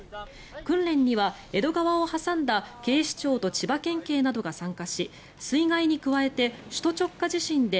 訓練には江戸川を挟んだ警視庁と千葉県警などが参加し水害に加えて首都直下地震で